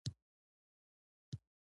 زموږ کلی شنه باغونه او صافه هوا لري.